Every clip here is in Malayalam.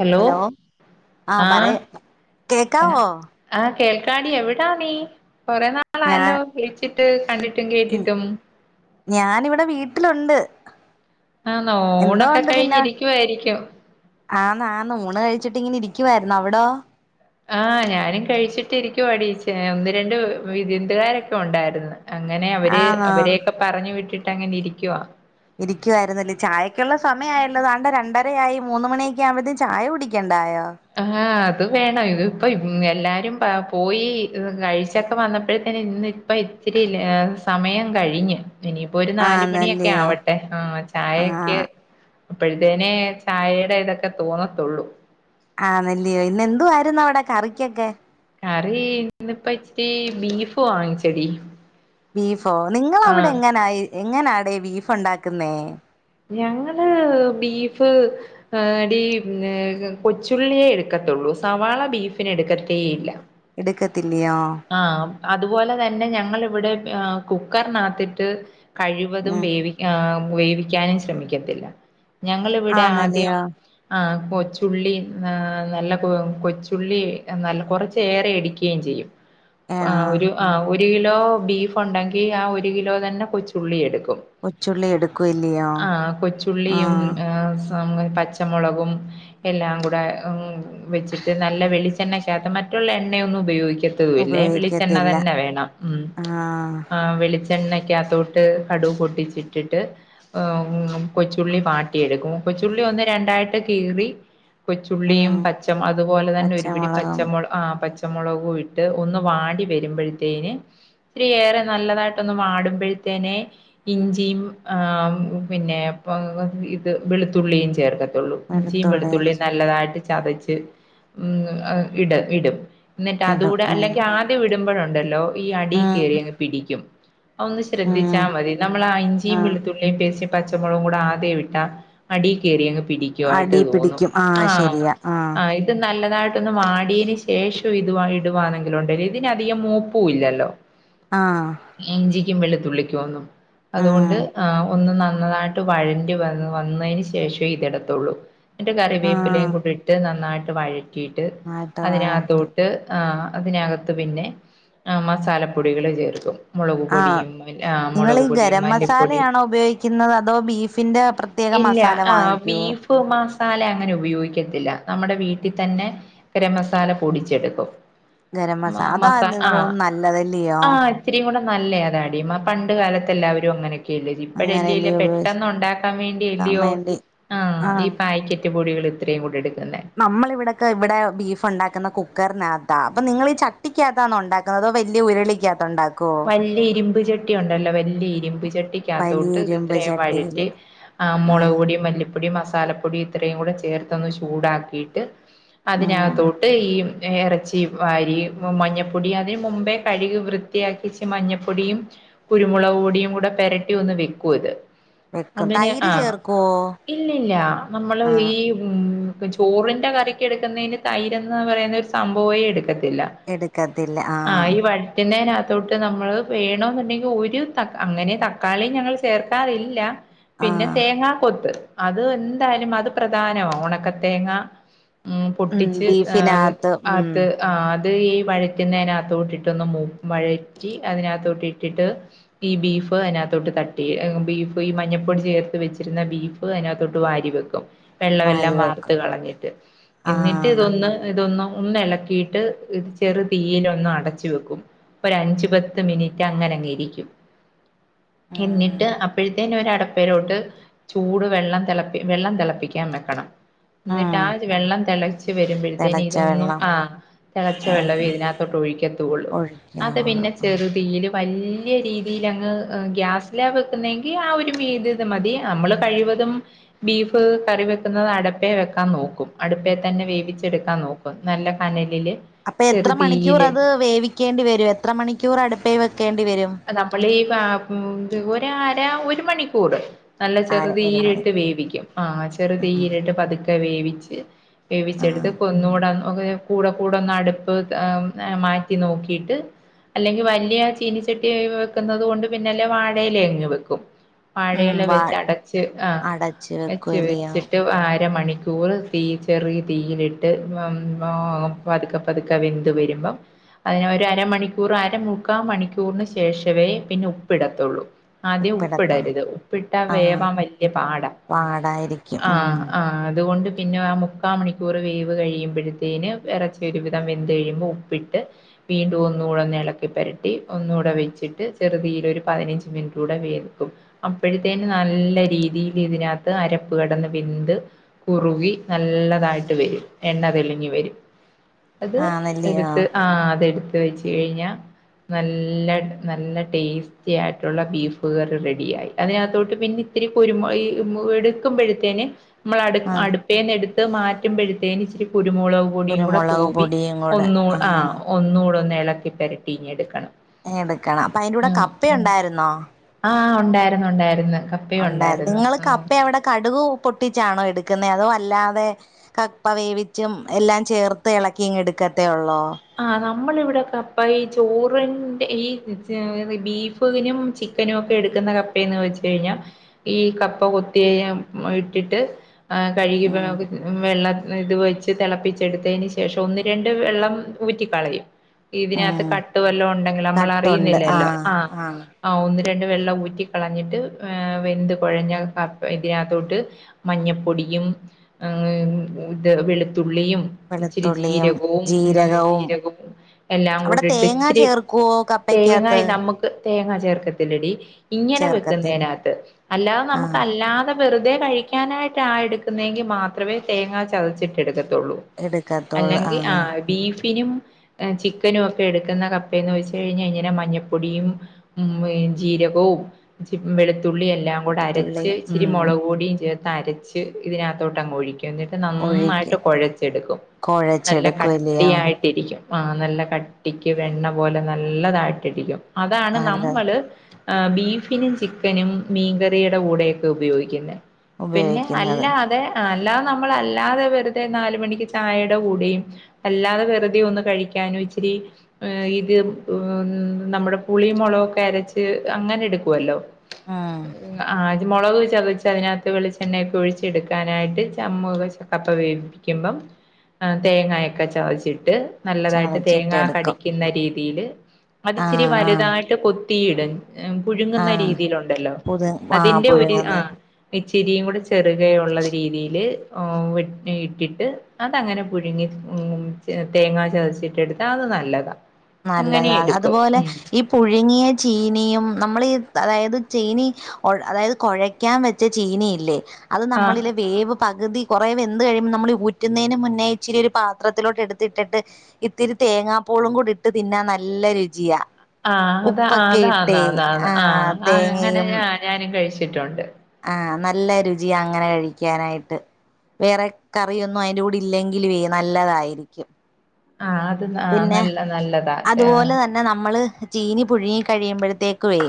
ഹലോ? ആ ആഹ്, പറയ എഹ് കേക്കാവോ ആഹ്, കേൾക്കാടി എവ്ടാ നീ കൊറേ ഞാൻ നാളായല്ലോ? വിളിച്ചിട്ട് കണ്ടിട്ടും കേട്ടിട്ടും. ഞാനിവിടെ വീട്ടിലൊണ്ട്. ആന്നൊ ഓണൊക്കെ കഴിഞ്ഞിരിക്കുവായിരിയ്ക്കും. ആന്ന്, ആന്ന് ഊണ് കഴിച്ചിട്ടിങ്ങനെ ഇരിക്കുവായിര്ന്ന് അവ്ടോ? ആഹ്, ഞാനും കഴിച്ചിട്ടിരിക്കുവടീ ച്ച് ഏഹ്, ഒന്ന് രണ്ട് വ് വി വിരുന്ത്കാരൊക്കെ ഒണ്ടായിര്ന്ന്. അങ്ങനെ അവര് ആന്നോ അവരെയൊക്കെ പറഞ്ഞു വിട്ടിട്ടങ്ങനെരിക്കുവാ. ഇരിയ്ക്കുവായിര്ന്നല്ലേ ചായയ്ക്കൊള്ള സമയായല്ലോ ദാണ്ടെ രണ്ടരയായി മൂന്ന് മണിയൊക്കെ ആവുമ്പഴത്തേം ചായ കുടിയ്ക്കണ്ടായോ? ഹാഹ്, അത് വേണം ഇതിപ്പയും എല്ലാരും പാ പോയീ കഴിച്ചൊക്കെ വന്നപ്പോഴത്തെനും ഇന്ന് പ്പ ഇച്ചിരിയല്ലെ ആഹ്, സമയം കഴിഞ്ഞ് ഇനിയി പ്പൊ ഒരു നാലുമണിയൊക്കെ ആന്നല്ലയോ ആവട്ടെ ആഹ്, ആ ചായയ്ക്ക് അപ്പഴത്തേനെ ചായേടെ ഇതൊക്കെ തോന്നത്തൊള്ളൂ. ആന്നെല്ലിയോ ഇന്നെന്തു ആരുന്നവ്ടെ കറിക്ക്യൊക്കെ? കറി ഇന്നിപ്പ ഇച്ചിരി ബീഫ് വാങ്ങിച്ചെടീ. ബീഫോ നിങ്ങളവിടെ എങ്ങനായി എങ്ങനാടേ ബീഫൊണ്ടാക്ക്ന്നേ? ഞങ്ങള് ബീഫ് ഏഹ്, ടീ ഏഹ് കൊച്ചുള്ളിയേ എട്ക്കത്തൊള്ളൂ, സവാള ബീഫിനെടുക്കത്തേ ഇല്ല. എട്ക്കത്തില്ല്യോ? ആഹ്, അം അത്പോലെ തന്നെ ഞങ്ങളിവ്ടെ ആഹ് കുക്കർനാത്തിട്ട് കഴിവതും ഉം വേവി ആഹ്, വേവിക്കാനും ശ്രമിയ്ക്കത്തില്ല. ഞങ്ങളിവിടെ ആദ്യം ആന്നല്ലയോ ആഹ്, കൊച്ചുള്ളി നാ നല്ല കൊ കൊച്ചുള്ളി നല്ല കൊറച്ചേറെയടിയ്ക്ക് [unintelligible] ചെയ്യും. ആ ആഹ് ഒരു ആഹ് ഒരു കിലോ ബീഫ് ഉണ്ടെങ്കി ആ ഒരു കിലോ തന്നെ കൊച്ചുള്ളിയെടുക്കും. കൊച്ചുള്ളി എടു ആഹ് കൊച്ചുള്ളിയും ഏഹ് [unintelligible] പച്ചമുളകും എല്ലാം കൂടെ ഉം വെച്ചിട്ട് നല്ല വെളിച്ചെണ്ണക്കാത്ത് മറ്റുള്ള എണ്ണയൊന്നും ഉപയോഗിക്ക ത്തുവില്ലേ വെളിച്ചെണ്ണ ഉപയോഗിക്കത്തില്ല തന്നെ വേണം ഉം ആഹ് ആഹ് വെളി ച്ചെണ്ണയ്ക്കാത്തോട്ട് കടുക് പൊട്ടിച്ചിട്ടിട്ട് ഏഹ് കൊച്ചുള്ളി വാട്ടിയെടുക്കും കൊച്ചുള്ളി ഒന്ന് രണ്ടായിട്ട് കീറി കൊച്ചുള്ളിയും ഉം പച്ച അതുപോലെ തന്നെ ഒരുപിടി പച്ചമുളകും പച്ചമുള ആഹ് പച്ച ച്ചമൊളകും ഇട്ട് ഒന്ന് വാടി വരുമ്പഴുത്തേന് ഇത്തിരി ഏറെ നല്ലതായിട്ടൊന്ന് വാടുമ്പഴുത്തേനെ ഇഞ്ചിയും ആഹ് പിന്നെ ഇപ്പൊ ഇത് വെളുത്തുള്ളിയും ചേർക്ക ഇഞ്ചിയും വെളുത്തുള്ളി വെളുത്തുള്ളിയും ഇഞ്ചി നല്ലതായിട്ട് ചതച്ച് ഉം ഇട ഇടും. ഇടും എന്നിട്ടതൂടെ ഉം അല്ലെങ്കി ആദ്യം ഇടുമ്പഴുണ്ടല്ലോ ഈ അടീ ഉം കേറിയങ്ങ് പിടിക്കും ഒന്ന് ശ്രദ്ധിച്ചാ ഉം മതി, നമ്മളാ ഇഞ്ചിം ആഹ് വെളുത്തുള്ളിയും പേസ്റ്റ് പച്ചമുളകും കൂടെ ആദ്യം ഇട്ടാ അടീ കേറിയങ്ങ് പിടി യിട്ട് അടി തോന്നും പിടിക്കും ആഹ് ശരിയാ ആഹ്........ ഇത് നല്ലതായിട്ടൊന്ന് വാടിയതിന് ശേഷം ഇത് ഇടുവാണെങ്കി ഉണ്ടല്ലോ ഇതിനധികം മൂപ്പും ഇല്ലല്ലോ........... [inaudible] ആഹ്.......... ഇഞ്ചിക്കും വെളുത്തുള്ളിക്കും ഒന്നും ഉം അതുകൊണ്ട് ആഹ് ഒന്ന് ആഹ്........... നന്നായിട്ട് വഴറ്റി വന്ന് വന്നതിന് ശേഷേ ഇതെടുത്തുള്ളു........ എന്നിട്ട് കറിവേപ്പിലയും ആഹ് കൂടി ഇട്ട് നന്നായിട്ട് വഴറ്റിയിട്ട് ആട്ട് വാട്ടി അതിനകത്തോട്ട്........... ആഹ് അതിനകത്ത് പിന്നെ ആഹ് മസാലപ്പൊടികൾ ചേർക്കും......... മുളക് ആഹ് പൊടിയും ആഹ് മുളക് പൊടിയും മല്ലിപ്പൊടി....... വെക്കുന്നത് അതോ ബീഫിന്റെ പ്രത്യേക ഇല്ല മസാല ആ വാങ്ങിക്കോ......... ബീഫ് മസാല അങ്ങനെ ഉപയോഗിക്കത്തില്ല നമ്മുടെ വീട്ടിൽ തന്നെ............... ഗരമസാല പൊടിച്ചെടുക്കും........ ഗരം മസാല അതാന്ന് തോന്നുന്നു നല്ലതല്ലയോ.......... ഇത്തിരിയും കൂടെ നല്ല അതാടി പണ്ട് കാലത്തെ എല്ലാവരും അങ്ങനൊക്കെല്ല ഇപ്പഴല്ലേ........ അങ്ങനെയല്ലയോ പെട്ടെന്ന് ഉപയോഗിക്കാൻ ഉണ്ടാക്കാൻ വേണ്ടി അല്ലയോ വേണ്ടി ആഹ് ഈ പായ്കറ്റ്.........., കറ്റ്പൊടികൾ ഇത്രയും കൂടെ എടുക്കുന്നെ.......... നമ്മള് ഇവിടൊക്കെ ഇവിടെ ബീഫ് ഉണ്ടാക്കുന്ന കുക്കറിനകത്താ അപ്പൊ നിങ്ങൾ ഈ ചട്ടിക്കകത്താന്നോ ഉണ്ടാ........... അതോ വലിയ ഉരുളിക്കാത്ത് ഉണ്ടാക്കുമോ........... വല്യ ഇരുമ്പ് ചട്ടി ഉണ്ടല്ലോ വല്യ ഇരുമ്പ് ചട്ടി....... ക്കാത്തോട്ട് വലിയ ഇത് ഇരുമ്പ് ഇത്രയും വഴറ്റി ചട്ടിയില് ആഹ് മുളക് പൊടിയും മല്ലിപൊടിയും മസാല പൊടി ഇത്രയും കൂടെ ചേർത്തൊന്ന് ചൂടാക്കിയിട്ട് ഉം അതിനകത്തോട്ട് ഈ.............. ഇറച്ചി വാരി മഞ്ഞപ്പൊടി അതിന് മുമ്പേ കഴുകി വൃ...... വൃത്തിയാക്കിച്ച് മഞ്ഞപ്പൊടിയും കുരുമുളക് പൊടിയും കൂടെ പെരട്ടി ഒന്ന് വെക്കും ഇത്........ വെക്കും [unintelligible] തൈര് ആഹ് ചേർക്കുവോ ഇല്ലില്ല നമ്മള് ആഹ് ഈ.... ഉം ചോറിന്റെ കറിക്ക് എടുക്കുന്നതിന് തൈരന്ന് പറയുന്ന ഒരു സംഭവേ എടുക്കത്തില്ല... എടുക്കത്തില്ല ആഹ്..... [unintelligible] തൊട്ട് നമ്മള് വേണന്നുണ്ടെങ്കിൽ ഒരു ത അങ്ങനെ തക്കാളി ഞങ്ങൾ ചേർക്കാറില്ല..... പിന്നെ ആഹ് തേങ്ങാ കൊത്ത് അത് എന്തായാലും അത് പ്രധാനമാ ഉണക്കത്തേങ്ങ... മം ഉം പൊട്ടിച്ച് അങ്ങ് ബീഫിനകത്ത് ഉം അത്.... ആ അത് ഈ വഴറ്റുന്നതിനകത്തോട്ടി ഇട്ടൊന്ന് വഴറ്റി അതിനകത്തോട്ട് ഇട്ടിട്ട്..... ഈ ബീഫ് അതിനകത്തോട്ട് തട്ടി ബീഫ് ഈ മഞ്ഞപ്പൊടി ചേർത്ത് വെച്ചിരുന്ന ബീ അതിനകത്തൊട്ട് വാരി വെക്കും വെള്ളമെല്ലാം വാരി വാർത്ത് വെക്കും കളഞ്ഞിട്ട് എന്നിട്ട് ആഹ് ഇതൊന്ന്...... ഇതൊന്ന് ഒന്ന ഇളക്കിയിട്ട് ഇത് ചെറു തീയിന ഒന്ന് അടച്ച വെക്കും..... ഒരു അഞ്ചു പത്ത് മിനിറ്റ് അങ്ങന അങ്ങെ ഇരിക്കും.... ഉം എന്നിട്ട് അപ്പോഴത്തേന്ന ഒരു അടപ്പേരോട്ട്... ചൂട് വെള്ളം തിളപ്പി വെള്ളം തിളപ്പിക്കാൻ വെക്കണം...... ഉം എന്നിട്ട് ആ വെള്ളം തിളച്ച് വരുമ്പോഴത്തേന തിളച്ച ഇതൊന്നും വെള്ളം ആഹ്.... തിളച്ച ഉം വെള്ളവും ഇതിനകത്തോട്ട് ഒഴിക്കത്തുള്ളു അത് ഒഴിക്കാവുള്ളൂ പിന്നെ ഉം ചെറു തീയിലും..... വല്യ രീതിൽ അങ്ങ് ഗ്യാസിലാ വെക്കുന്നെങ്കിൽ ആ ഒരു [unintelligible] ഇത് മതി നമ്മള് കഴിവതും..... ബീഫ് കറി വെക്കുന്നത് അടപ്പേ വെക്കാൻ നോക്കും..... അടുപ്പേ തന്നെ വേവിച്ചെടുക്കാൻ നോക്കും നല്ല കനലില്....... അപ്പൊ എത്ര മണിക്കൂർ ചെറുതീയില് അത് വേവിക്കേണ്ടി വരും എത്ര മണിക്കൂർ അടുപ്പേ വെക്കേണ്ടി വരും...... നമ്മൾ ഈ [unintelligible] ഒര് അര ഒരു മണിക്കൂറ്.... നല്ല ചെറു ആര ഒരു തീയിലിട്ട് മണിക്കൂർ വേവിക്കും ആഹ് ചെറു ആഹ് തീയിലിട്ട് പതുക്കെ വേവിച്ച്.... ആഹ് വേവിച്ചെടുത്ത് കൊന്നുകൂടാൻ ഒക്കെ..... കൂടെ കൂടെ ഒന്ന് അടുപ്പ് മാറ്റി നോക്കിയിട്ട് അല്ലെങ്കിൽ വലിയ ചിനി.... വെട്ടി ഒഴിവെക്കുന്നത് കൊണ്ട് പിന്നെല്ലെ വാഴയിലേങ്ങു വെക്കും..... ഉം വാഴയെല്ല വാ വെച്ച് അടച്ച് ആഹ് അടച്ച് അച്ച് വെക്കുവല്ലയോ വെച്ചിട്ട് അരമണിക്കൂർ.... തീ ചെറിയ തീയിലിട്ട് പതുക്കെ പതുക്കെ വെന്ന്ത് വരുമ്പം..... അയിനെ ഒര് അരമണിക്കൂർ അരമുക്കാ മണിക്കൂറിന് ശേഷവേ പിന്നെ ഉപ്പിടത്തെള്ളൂ ആദ്യം ഉപ്പിടത്തോ ഉപ്പിടരുത് ഉപ്പിട്ടാ ആഹ് വേവാൻ വല്ല്യാ പാടാ പാടായിരിക്കും ഉം ആഹ് ആഹ് അത്കൊണ്ട് പിന്നെ ആ മുക്കാ മണിക്കൂർ വേവ് കഴിയുമ്പോഴത്തേന് ഇറച്ചി ഒരു വിധം വെന്ത് കഴിയുമ്പോ ഉപ്പിട്ട് വീണ്ടും ഒന്നുകൂടെ ഒന്ന് എളക്കി പരട്ടി ഒന്നുകൂടെ വെച്ചിട്ട് ചെറുതീയില് പതിനഞ്ച് മിനിറ്റുടെ വേവിക്കും അപ്പഴേത്തേനു നല്ല രീതിൽ ഇതിനകത്ത് അരപ്പ് കടന്ന് വെന്ത് കുറുവി നല്ലതായിട്ട് വരും എണ്ണ തെളിഞ്ഞി വരും അത് ആന്നല്ലയോ എടുത്ത് ആഹ് അത് എടുത്ത് വെച്ച് കഴിഞ്ഞാ നല്ല നല്ല ടേസ്റ്റി ആയിട്ടുള്ള ബീഫ് കറി റെഡിയായി അതിനകത്തോട്ട് പിന്നെ ഇത്തിരി കുരുമ ഈ എടുക്കുമ്പോഴത്തേന് മ്മള് അട് ആഹ് അടുപ്പേന്ന് എടുത്ത് മാറ്റുമ്പോഴത്തേന് ഇച്ചിരി കുരുമുള പൊടിയും കൂടെ കുരുമുളക് തൂവി പൊടിയും കൂടെ ഒന്നു ആഹ് ഒന്നുടെ ഒന്ന് ഇളക്കി പരട്ടീങ്ങനെ എടുക്കണം എടുക്കണം അപ്പ അയിന്റെ കൂടെ കപ്പയുണ്ടായിരുന്നോ ആഹ് ഉണ്ടായിരുന്നു ഉണ്ടായിരുന്നു കാ ഉണ്ടായിരുന്നു നിങ്ങൾ കപ്പ അവിടെ കടുക് പൊട്ടിച്ചാണോ എടുക്കുന്നേ അതോ അല്ലാതെ കപ്പ വേവിച്ചും എല്ലാം ചേർത്ത് ഇളക്കിങ്ങ എടുക്കത്തേ ഒള്ളോ ആഹ് നമ്മള് വിടെ കപ്പ ഈ ചോറിന്റെ ഈ ബീഫ് ബീഫിനും ചിക്കനും ഒക്കെ എടുക്കുന്ന കപ്പയന്ന് വെച്ച് കഴിഞ്ഞാൽ ഈ കപ്പ കൊത്തിയ ഇട്ടിട്ട് കഴുകി ഉം വെള്ളം ഇത് വെച്ച് തിളപ്പിച്ചെടുത്തേന് ശേഷം ഒന്ന് രണ്ട് വെള്ളം ഊറ്റി കളയും ഇതിനകത്ത് ഉം കട്ട് വെല്ലോം ഉണ്ടെങ്കില് നമ്മള് അറിയുന്നില്ലല്ലോ ആഹ് ആഹ് ഒന്ന് രണ്ട് വെള്ളം ഊറ്റിക്കളഞ്ഞിട്ട് ഏഹ് വെന്ത് കുഴഞ്ഞ കപ്പ ഇതിനകത്തോട്ട് മഞ്ഞപ്പൊടിയും ഇത് വെളുത്തുള്ളിയും ഇച്ചിരി വെളുത്തുള്ളിയും ജീരകവും ജീരകവും ജീരകും എല്ലാം അവിടെ കൂടിട്ട് തേങ്ങ ഇച്ചിരി ചേർക്കുവോ കപ്പക്കകത്ത് തേങ്ങായി നമുക് ക്ക് തേങ്ങ ചേർക്കത്തില്ലടി ഇങ്ങനെ ചേർക്കത്തില്ല വെക്കുന്നേനകത്ത് അല്ലാ ആഹ് നമുക്കല്ലാതെ വെറുതെ കഴിക്കാനായിട്ടാ എടുക്കുന്നെങ്കി മാത്രവേ തേങ്ങ ചതച്ചിട്ടെടുക്കത്തെള്ളൂ അല്ലെങ്കി ആഹ് ഡീഫ് ഫിനും ചിക്കനും ഒക്കെ എടുക്കുന്ന കപ്പയന്ന് വെച്ച് കയ്ഞയ്ഞ്ഞാ ഇങ്ങനെ മഞ്ഞപ്പൊടിയും ഉം പെരിജീരകവും ചിക് വെളുത്തുള്ളി എല് ല്ലാം കൂടരച്ച് വെളുത്തുള്ളിയും ഇിച്ചിരി ഉം മെളക് പൊടിയും ചേർത്തരച്ച് ഇതിനകത്തോട്ടങ്ങ് ഒഴിക്ക് എന്നിട്ട് നന്നായി ഒഴിക്കും കൊഴച്ചെടുക്കും നല്ല കട് കുഴച്ചെടുക്കുവല്ലയോ ട്ടിരിക്കും, ആഹ് നല്ല കട്ടിക്ക് വെണ്ണ പോലെ നല്ലതായിട്ടിരിക്കും അതാണ് അല്ല നമ്മള് ആഹ് ബീഫിനും ചിക്കനും മീൻകറിയുടെ കൂടെയൊക്കെ ഉപയോഗിക്കുന്നേ പിന്നെ ഉപയോഗിക്കുന്നത് അല്ലാതെ ആ അല്ലാതെ നമ്മളല്ലാതെ വെറുതെ നാലുമണിക്ക് ചായയുടെ കൂടെയും അല്ലാതെ വെറുതെ ഒന്ന് കഴിക്കാനും ഇച്ചിരി ഇത് ഉം നമ്മുടെ പുളിയും മുളകൊക്കെ അരച്ച് അങ്ങനെ എടുക്കുവല്ലോ ആഹ് ആഹ് അത് മെളക് ചതച്ച് അയ്നാത്ത് വെളിച്ചെണ്ണയൊക്കെ ഒഴിച്ച്ട്ക്കാനായിട്ട് ചമ്മ് വെച്ച് കപ്പ വേവിക്കും ക്കുമ്പം തേങ്ങായി ക്കെ ചതച്ചിട്ട് നല്ലതായിട്ട് തേങ്ങാ ചതച്ചിട്ടെടുക്കും കടിക്കുന്ന രീതില് അത് ഇച്ചിരി ആഹ് വലുതാ ആഹ് യിട്ട് കൊത്തിയിടും പുഴുങ്ങുന്ന ആഹ് രീതിയിലുണ്ടല്ലോ പുതു ആഹ് അതിന്റെ ഒരു പുഴുങ്ങുന്ന ആഹ് ഇച്ചിരിയും കൂടെ ചെറുകെ യുള്ള രീതില് ഉം വിട് ഇട്ടിട്ട് അതങ്ങനെ പുഴുങ്ങി ഉം തേങ്ങാ ചതച്ചിട്ടെടുത്താ അത് നല്ലതാ അങ്ങനെ നല്ലതാ എടുക്കും അതുപോലെ ഉം ഈ പുഴുങ്ങിയ ചീനിയും നമ്മളീ അതായത് ചീനി അതായത് കൊഴക്കാൻ വെച്ച ചീനയില്ലേ അത് ആഹ് നമ്മളില് വേവ് പകുതി കൊറേ വെന്ത് കഴിയുമ്പോ നമ്മള് ഊറ്റുന്നതിന് മുന്നേ ഇച്ചിരി ഒരു പാത്രത്തിലോട്ടെടുത്തിട്ടിട്ട് ഇത്തിരി തേങ്ങാ പൂളുകൂടിട്ട് തിന്നാ നല്ല രുചിയാ ആഹ് അത് ഉപ്പൊക്കെ അതാന്നാ ഇട്ടേ ന്നാ ന്നാന്ന് ആ ആഹ് അങ്ങനെ ഞാനും കഴിച്ചിട്ടുണ്ട് ആഹ് നല്ല രുചിയാ അങ്ങനെ കഴിക്യാനായിട്ട് വേറെ കറിയൊന്നും അയ്ന്റെ കൂടെ ഇല്ലെങ്കിലുവേ നല്ലതായിരിക്കും ആഹ് അത് ന നല്ല നല്ലതാ അതുപോലെ തന്നെ പിന്നെ നമ്മള് ചീനി പുഴുങ്ങി കഴിയുമ്പോഴത്തേക്കുവേ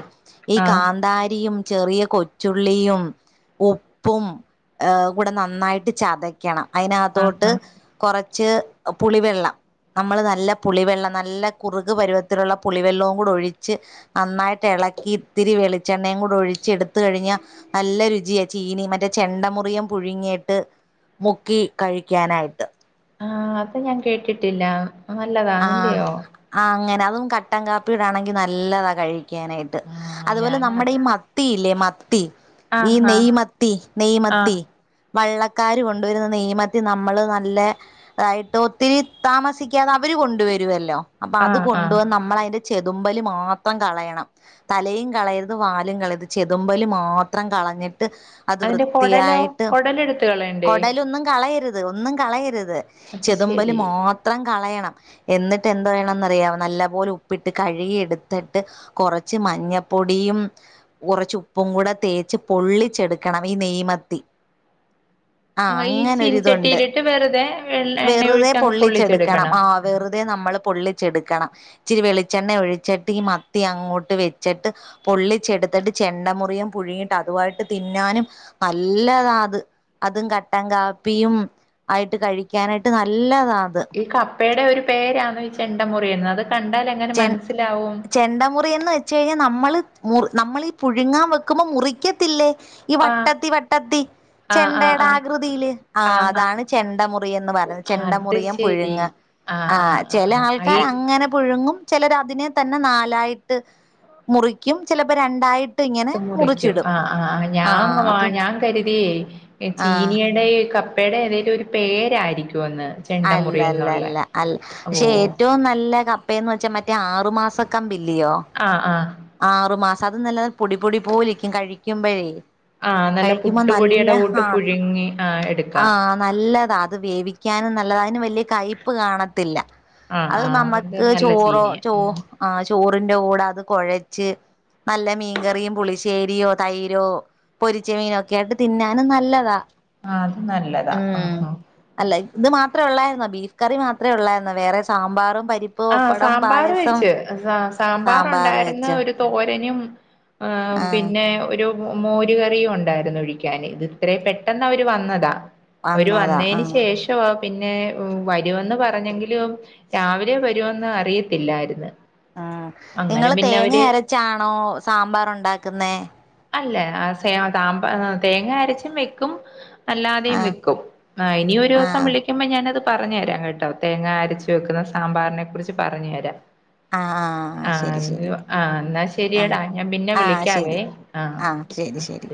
ഈ ആഹ് കാന്താരിയും ചെറിയ കൊ ച്ചുള്ളിയും ഉപ്പും കൂടെ നന്നായിട്ട് ചതക്കണം ആഹ് അയ്നകത്തോട്ട് ആഹ് കൊറച്ച് പുളിവെള്ളം നമ്മള് നല്ല പുളിവെള്ളം നല്ല കുറുക് പരുവത്തിലുള്ള പുളിവെള്ളവും കൂടൊഴിച്ച് നന്നായിട്ടെളക്കി ഇത്തിരി വെളിച്ചെണ്ണയും കൂടെ ഒഴിച്ചെടുത് ത്ത്‌ കഴിഞ്ഞ നല്ല രുചിയാ ചീനി മറ്റേ ചെണ്ട മുറിയം പുഴുങ്ങിയിട്ട് മുക്കി കഴിക്കാനായിട്ട് ആഹ് അത് ഞാൻ കേട്ടിട്ടില്ല അത് നല്ലതാന്നല്ലയോ ആ അങ്ങനെ അതും കട്ടൻ കാപ്പിടെ ആണെങ്കി നല്ലതാ കഴിക്കാനായിട്ട് ആഹ് അതുപോലെ നമ്മുടെ ഞാനത് മ ത്തിയില്ലേ മത്തി ഈ ആഹ് ആഹ് നെയ്മത്തി ആഹ് നെയ്മത്തി വള്ളക്കാര് കൊണ്ടുവരുന്ന നെയ്മത്തി നമ്മള് നല്ല തായിട്ട് ഒത്തിരി താമസിക്കാത- വര് കൊണ്ടുവരുവല്ലോ അപ്പൊ അത് ആഹ് കൊണ്ടു ആഹ് വന്ന് നമ്മളയ്ന്റെ ചെതുമ്പല് മാത്രം കളയണം തലയും കളയരുത് വാലും കളയരുത് ചെതുമ്പല് മാത്രം കളഞ്ഞിട്ട് അത് അതിന്റെ കൊടലോ വൃത്തിയായിട്ട് കൊടലെടുത്ത് കളയണ്ടേ കൊടലൊന്നും കളയരു ത് ഒന്നും കളയരുത് അത് ചെതുമ്പല് ശരി മാത്രം കളയണം എന്നിട്ട് എന്ത് വേണംന്ന്റിയ നല്ല പോലെ ഉപ്പിട്ട് കഴുകി എടുത്തിട്ട് കൊറച്ച് മഞ്ഞപ്പൊടിയും കൊറച്ച് ഉപ്പും കൂടെ തേച്ച് പൊള്ളിച്ചെടുക്കണം ഈ നെയ്മത്തി ആ ഈ ചീന അങ്ങനൊരിതുണ്ട് ചട്ടിയിലിട്ട് വെറുതെ വെറുതെ എണ്ണയൊഴിച്ച് അങ്ങ് പൊള്ളിച്ചെടുക്കണം ആ വെറുതെ നമ്മള് പൊള്ളിച്ചെടുക്കണം ഇിച്ചിരി വെളിച്ചെണ്ണ ഒഴിച്ചിട്ട് ഈ മത്തി അങ്ങോട്ട് വെച്ചിട്ട് പൊള്ളിച്ചെടുത്തിട്ട് ചെണ്ട മുറിയം പുഴുങ്ങിട്ട് അതുവായിട്ട് തിന്നാനും നല്ലതാ അത് അതും കട്ടൻ കാപ്പിയും ആയിട്ട് കഴിക്കാനായിട്ട് നല്ലതാ അത് ഈകപ്പയുടെ ഒരു പേരാണോ ചെണ്ട മുറിയൻന്ന് അത് കണ്ടാല് ചെ ചെണ്ട മുറിയൻന്ന് വെ ച്ചെയിഞ്ഞ നമ്മള് മുറി നമ്മളീ പുഴുങ്ങാൻ വെക്കുമ്പോ മുറിക്കത്തില്ലേ ഈ ആഹ് വട്ടത്തി വട്ടത്തി ആഹ് ചെണ്ടയുടെ ആഹ് ആകൃതിയില് ആ ആഹ് അതാണ് ചെണ്ട മുറിയൻന്ന് പറഞ് ആഹ് ചെണ്ട അത് മുറിയൻ ശരി പുഴുങ്ങ ആഹ് ചെല ആൾക്കാർ അങ്ങനെ പുഴുങ്ങും ചെലര് അതിനെ തന്നെ നാലായിട്ട് മുറിക്കും ചെലപ്പോ രണ്ടായി മുറിക്കും ആ ആ ഞാ ആഹ് അതും ഞാൻ കരുതിയേ ആഹ് ചീനിയുടെ ക പ്പേടെ ഏതേലും ഒരു പേരായിരിക്കുംന്ന് അല്ല അല്ല അല്ല അല് പക്ഷെ ഓഹ് ഏറ്റോം നല്ല ക പ്പേന്ന് വെച്ച മറ്റേ ആറുമാസംക്കമ്പില്ലയോ ആഹ് ആഹ് ആറു മാസം അത് നല്ല പൊടിപൊടി പോലിരിക്കും കഴിക്കുമ്പഴേ ആഹ് നല്ല കഴിക്കുമ്പോ നല്ല പുട്ടുപൊടിയുടെ കൂട്ട് ആഹ് പുഴുങ്ങി ആ എടുക്കാം ആഹ് നല്ലതാ അത് വേവിക്കാനും നല്ലത അതിന് വലിയ കയ്പ്പ് കാണത്തില്ല ആഹ് അത് ആഹ് നമ്മക്ക് നല്ല ചോറോ ചീനിയ ചോ ഉം ആ ചോറിന്റെ കൂടെ അത് കൊഴച്ച് നല്ല മീൻകറിയും പുളിശേ ശേരിയോ തൈരോ പൊരിച്ച മീനോ ഒക്കെ ആയിട്ട് തിന്നാനും നല്ലതാ ആഹ് അത് നല്ലതാ ആ ഉം ആ അല്ല ഇത് മാത്രേ ഉള്ളായിരുന്ന ബീഫ് കറി മാത്രേ ഉള്ളായിരുന്ന വേറെ സാമ്പാറും പരി ആഹ് സാമ്പാർ വച്ച് സാമ്പാർ ഉണ്ടായിരുന്ന് ഒരു തോരനും ആഹ് പിന്നെ ഒരു മോര് കറിയും ഉണ്ടായിരുന്നു ഒഴിക്കാന് ഇത് ഇത്ര പെട്ടെന്ന് അവര് വന്നതാ അവര് വന്നതാ വന്നതിന് ആഹ് ശേഷമാ പിന്നെ വരുമെന്ന് പറഞ്ഞെങ്കിലും രാവിലെ വ രോ ന്ന് അറിയത്തില്ലായിരുന്നു ആ അങ്ങനെ നിങ്ങള് പിന്നെ തേങ്ങ അവര് അരച്ചാണോ സാമ്പാറ് ഉണ്ടാക്കുന്നേ അല്ല സേ സാമ്പ തേങ്ങ അരച്ചും വെക്കും ആ അല്ലാതെയും വെക്കും. ആ ഇനിയ ഒരു ആ ദിവസം വിളിക്കുമ്പോ ഞാനത് പറഞ്ഞു തരാം കേട്ടോ തേങ്ങ അരച്ചു വെക്കുന്ന സാമ്പാറിനെ കുറിച്ച് പറഞ്ഞു തരാം ആ ശരി ആഹ് ശരി ആഹ് എന്നാ ആ ശരിയടാ ഞാൻ പിന്നെ ആ വിളിക്കാവേ ശരി ആഹ് ആ ശരി ശരി